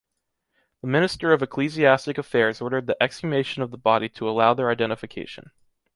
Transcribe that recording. The Minister of Ecclesiastic Affairs ordered the exhumation of the body to allow their identification.